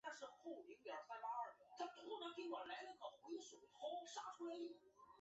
为王得禄剿平海贼时所建。